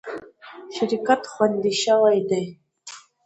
شرکت خوندي شوی دی.